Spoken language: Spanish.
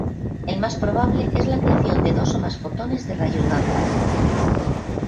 El más probable es la creación de dos o más fotones de rayos gamma.